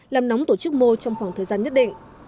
làm nóng tổ chức mô trong khoảng thời gian nhất định